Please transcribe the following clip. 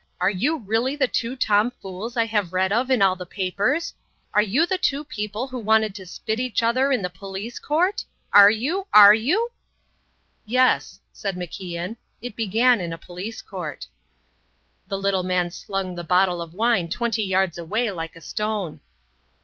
Are you really the two tomfools I have read of in all the papers? Are you the two people who wanted to spit each other in the Police Court? Are you? Are you?" "Yes," said MacIan, "it began in a Police Court." The little man slung the bottle of wine twenty yards away like a stone.